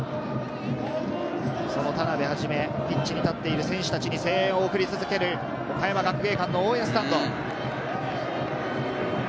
その田邉はじめ、ピッチに立っている選手たちに声援を送り続ける、岡山学芸館の応援スタンド。